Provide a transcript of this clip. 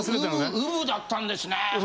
ウブだったんですね。